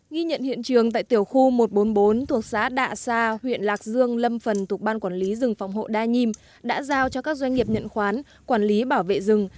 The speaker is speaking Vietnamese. ghi nhận hiện trường tại tiểu khu một trăm bốn mươi bốn thuộc xã đạ sa huyện lạc dương lâm phần thuộc ban quản lý rừng phòng hộ đa nhiêm đã giao cho các doanh nghiệp nhận khoán quản lý bảo vệ rừng